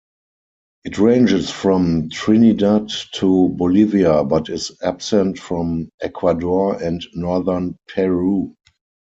It ranges from Trinidad to Bolivia but is absent from Ecuador and northern Peru.